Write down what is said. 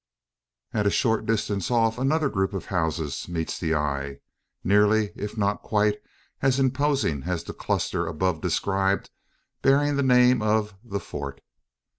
At a short distance off another group of houses meets the eye nearly, if not quite, as imposing as the cluster above described bearing the name of "The Fort."